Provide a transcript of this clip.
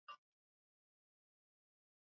Kweli wewe ni Mungu